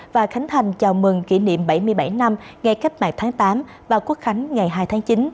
và khánh thành chào mừng kỷ niệm bảy mươi bảy năm ngày cách mạng tháng tám và quốc khánh ngày hai tháng chín